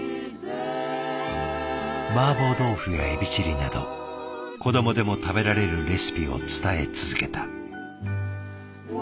マーボー豆腐やエビチリなど子どもでも食べられるレシピを伝え続けた。